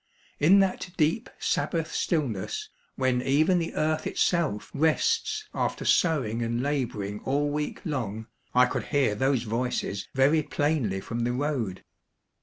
In that deep Sabbath stillness, when even the earth itself rests after sowing and laboring all week long, I could hear those voices very 246 Monday Tales, plainly from the road.